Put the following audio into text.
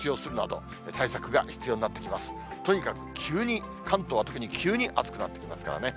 とにかく急に、関東は特に急に暑くなってきますからね。